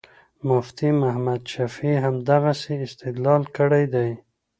مفتي محمد شفیع همدغسې استدلال کړی دی.